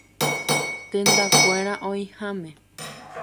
Tendakuéra oĩháme.